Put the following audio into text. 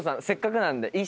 せっかくなんで。